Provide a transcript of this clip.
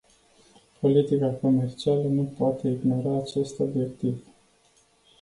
Politica comercială nu poate ignora acest obiectiv.